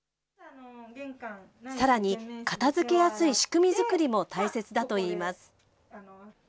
さらに、片づけやすい仕組み作りも大切だといいます。